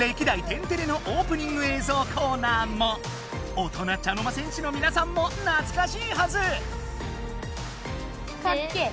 大人茶の間戦士のみなさんもなつかしいはず！かっけえ。